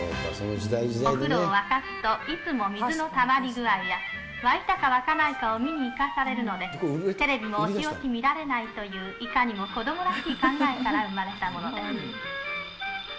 お風呂を沸かすといつも水のたまり具合や、沸いたか沸かないかを見に行かされるので、テレビもおちおち見られないといういかにも子どもらしい考えから生まれたものです。